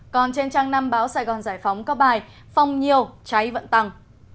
còn trên trang năm báo sài gòn giải phóng có bài phong nhiều cháy vẫn tăng